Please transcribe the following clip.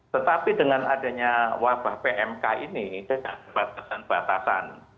tetapi dengan adanya wabah pmk ini dengan kebatasan kebatasan